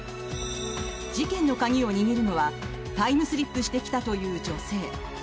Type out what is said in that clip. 事件の鍵を握るのはタイムスリップしてきたという女性。